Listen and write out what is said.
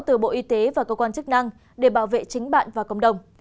từ bộ y tế và cơ quan chức năng để bảo vệ chính bạn và cộng đồng